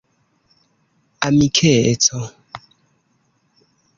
amikeco